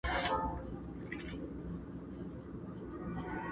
مرګي زده کړی بل نوی چم دی٫